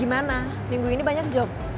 gimana minggu ini banyak job